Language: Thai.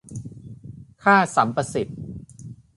ค่าสัมประสิทธิ์